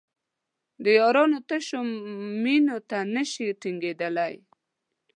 د یارانو تشو مینو ته نشي ټینګېدای.